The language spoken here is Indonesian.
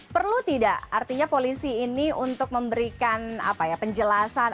perlu tidak artinya polisi ini untuk memberikan penjelasan